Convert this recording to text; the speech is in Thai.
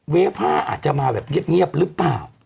ฟ่าอาจจะมาแบบเงียบหรือเปล่า